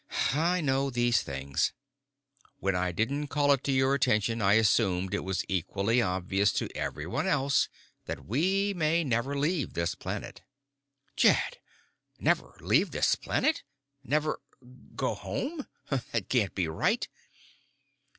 I know these things. When I didn't call it to your attention, I assumed it was equally obvious to everyone else that we may never leave this planet." "Jed! Never leave this planet! Never go home! That can't be right."